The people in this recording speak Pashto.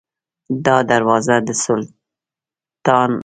دا دروازه د سلطان صلاح الدین د وخت فرهنګي میراث دی.